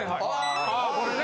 あこれね。